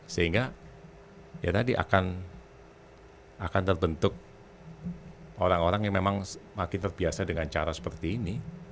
sehingga ya tadi akan terbentuk orang orang yang memang makin terbiasa dengan cara seperti ini